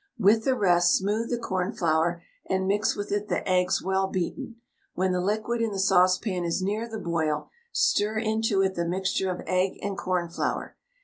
With the rest smooth the cornflour and mix with it the eggs well beaten. When the liquid in the saucepan is near the boil, stir into it the mixture of egg and cornflour.